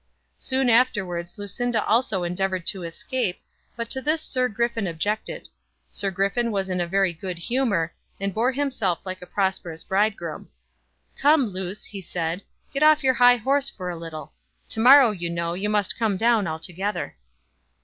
Soon afterwards Lucinda also endeavoured to escape, but to this Sir Griffin objected. Sir Griffin was in a very good humour, and bore himself like a prosperous bridegroom. "Come, Luce," he said, "get off your high horse for a little. To morrow, you know, you must come down altogether."